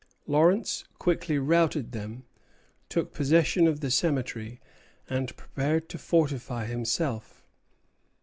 Lawrence quickly routed them, took possession of the cemetery, and prepared to fortify himself.